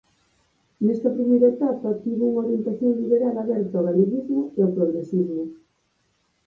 Nesta primeira etapa tivo unha orientación liberal aberta ao galeguismo e ao progresismo.